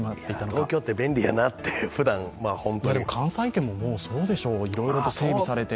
東京って便利やなって、ホントにでも関西圏もそうでしょう、いろいろと整備されて。